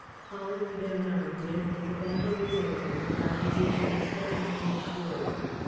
Paul and Bernard learnt that the battle was over and our positions definitely assured.